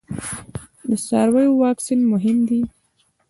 د څارویو واکسین مهم دی